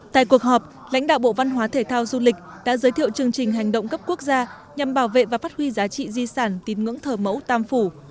tại cuộc họp lãnh đạo bộ văn hóa thể thao du lịch đã giới thiệu chương trình hành động cấp quốc gia nhằm bảo vệ và phát huy giá trị di sản tín ngưỡng thờ mẫu tam phủ